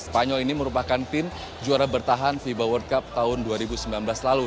spanyol ini merupakan tim juara bertahan fiba world cup tahun dua ribu sembilan belas lalu